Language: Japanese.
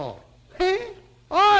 へっ。おい！」。